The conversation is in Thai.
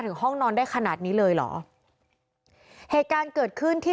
ห้องนอนได้ขนาดนี้เลยเหรอเหตุการณ์เกิดขึ้นที่